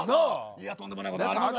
いやとんでもないこともありますわな。